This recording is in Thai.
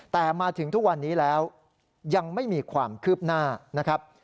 แต่มาถึงทุกวันนี้แล้วยังไม่มีความคืบหน้านะครับ